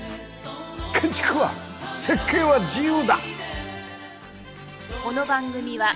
建築は設計は自由だ！